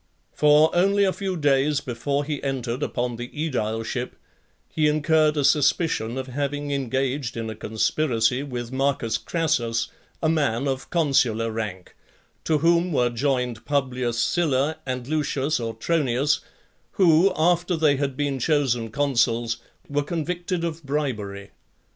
IX. For, only a few days before he entered upon the aedileship, he incurred a suspicion of having engaged in a conspiracy with Marcus Crassus, a man of consular rank; to whom were joined Publius Sylla and Lucius Autronius, who, after they had been chosen consuls, were convicted of bribery.